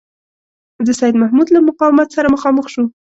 د سیدمحمود له مقاومت سره مخامخ شو.